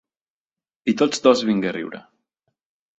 I tots dos vinga a riure.